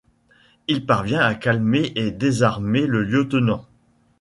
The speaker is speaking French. Il parvient à calmer et désarmer le lieutenant.